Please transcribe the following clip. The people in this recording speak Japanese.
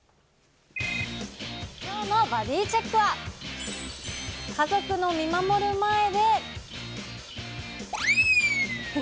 きょうのバディチェックは、家族の見守る前で。